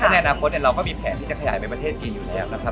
ในอนาคตเราก็มีแผนที่จะขยายไปประเทศจีนอยู่แล้วนะครับ